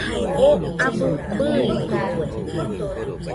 Oo abɨ bɨitɨkue